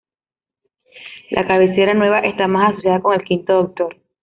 La cabecera nueva está más asociada con el Quinto Doctor.